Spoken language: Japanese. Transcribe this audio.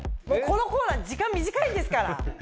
このコーナー時間短いんですから。